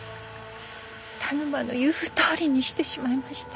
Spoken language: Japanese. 田沼の言うとおりにしてしまいました。